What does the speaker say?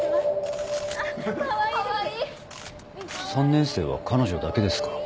３年生は彼女だけですか？